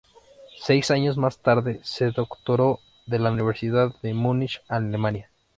Seis años más tarde se doctoró de la Universidad de Múnich, Alemania.